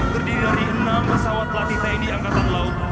terdiri dari enam pesawat latih tni angkatan laut